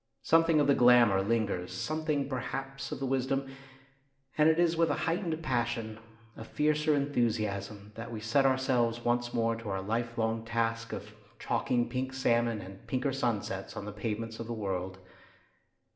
Something of the glamour lingers, something perhaps of the wisdom, and it is with a heightened passion, a fiercer enthusiasm, that we set ourselves once more to our life long task of chalking pink salmon and pinker sun sets on the pavements of the world.